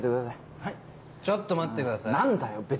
はいちょっと待ってください何だよ！